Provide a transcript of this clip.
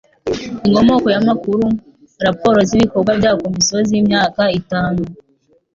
Inkomoko y amakuru Raporo z ibikorwa bya Komisiyo z imyaka itanu